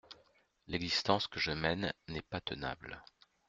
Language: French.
L'existence que je mène n'est pas tenable.